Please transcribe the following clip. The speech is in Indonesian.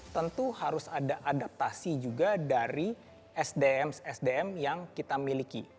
tentu harus ada adaptasi juga dari sdm sdm yang kita miliki